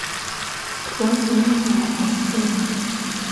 Mo joŋ gi me daaǝǝm to.